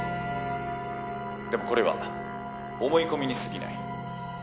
でもこれは思い込みにすぎない。